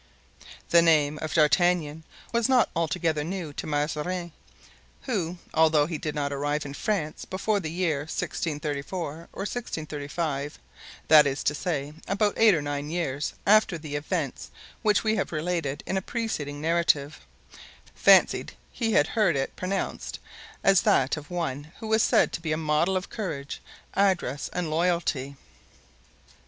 The name of D'Artagnan was not altogether new to Mazarin, who, although he did not arrive in France before the year 1634 or 1635, that is to say, about eight or nine years after the events which we have related in a preceding narrative, * fancied he had heard it pronounced as that of one who was said to be a model of courage, address and loyalty.